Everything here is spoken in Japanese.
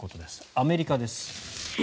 アメリカです。